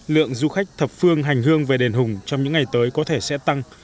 lượng du khách thập phương hành hương về đền hùng trong những ngày tới có thể sẽ tăng